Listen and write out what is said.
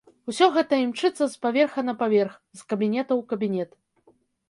Усё гэта імчыцца з паверха на паверх, з кабінета ў кабінет.